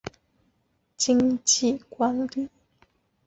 毕业于湖北省委党校经济管理专业。